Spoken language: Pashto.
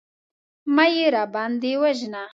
مه يې راباندې وژنه.